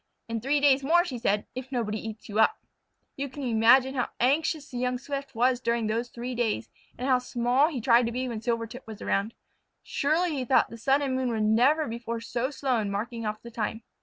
In three days more," she said, "if nobody eats you up." You can imagine how anxious the young Swift was during those three days, and how small he tried to be when Silvertip was around. "Surely," he thought, "the sun and moon were never before so slow in marking off the time."